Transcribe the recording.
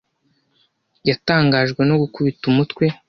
Yatangajwe no gukubita umutwe.